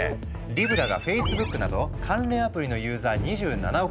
リブラがフェイスブックなど関連アプリのユーザー２７億